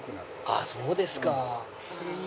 あっそうですか。